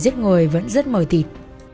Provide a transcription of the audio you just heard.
giết người vẫn rất mời thịt